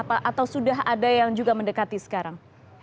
atau sudah ada yang juga mendekati sekarang